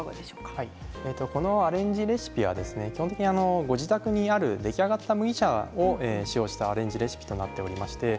このアレンジレシピは基本的にご自宅にある出来上がった麦茶を使用したアレンジレシピとなっております。